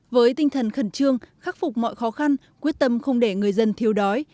với tinh thần khẩn trương khắc phục mọi khó khăn quyết tâm không để người dân thiếu đói